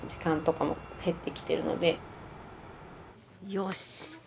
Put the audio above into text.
よし。